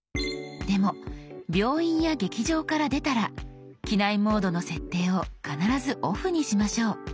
でも病院や劇場から出たら「機内モード」の設定を必ず「ＯＦＦ」にしましょう。